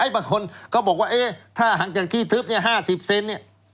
บางคนก็บอกว่าถ้าห่างจากที่ทึบ๕๐เซนเนี่ย